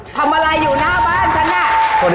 ทำอะไรอยู่หน้าบ้านฉันน่ะ